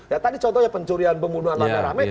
ya tadi contohnya pencurian pembunuhan rame rame